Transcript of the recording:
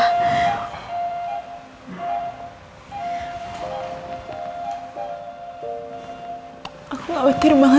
aku takut papa kenapa apa soalnya